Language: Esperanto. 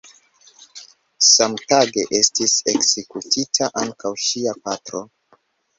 Samtage estis ekzekutita ankaŭ ŝia patro.